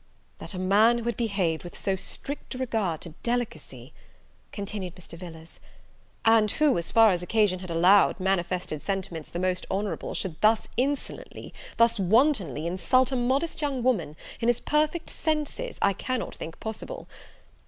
"That a man who had behaved with so strict a regard to delicacy," continued Mr. Villars, "and who, as far as occasion had allowed, manifested sentiments the most honourable, should thus insolently, thus wantonly, insult a modest young woman, in his perfect senses, I cannot think possible.